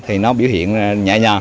thì nó biểu hiện nhẹ nhàng